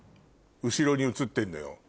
後ろに映ってんのよ。